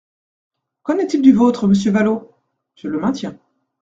Qu’en est-il du vôtre, monsieur Vallaud ? Je le maintiens.